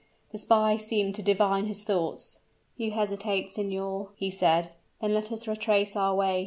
The spy seemed to divine his thoughts. "You hesitate, signor," he said; "then let us retrace our way.